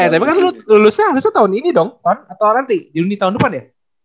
tapi kan lulusnya harusnya tahun ini dong ton atau nanti juni tahun depan ya